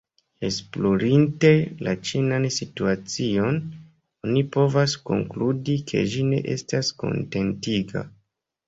Esplorinte la ĉinan situacion, oni povas konkludi ke ĝi ne estas kontentiga.